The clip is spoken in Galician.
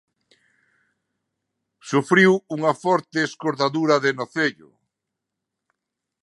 Sufriu unha forte escordadura de nocello.